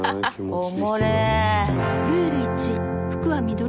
おもれぇ。